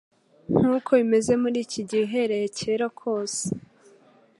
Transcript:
Nkuko bimeze muri iki gihe uhereye kera kose